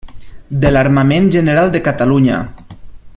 De l'armament general de Catalunya.